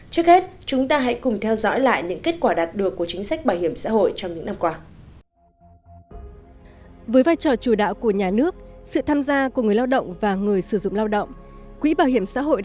trước hết chúng ta hãy cùng theo dõi lại những kết quả đạt được của chính sách bảo hiểm xã hội